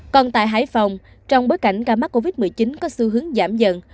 còn tại hải phòng trong bối cảnh ca mắc covid một mươi chín có xu hướng giảm dần